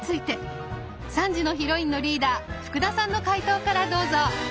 ３時のヒロインのリーダー福田さんの解答からどうぞ！